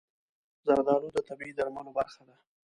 زردالو د طبیعي درملو برخه ده.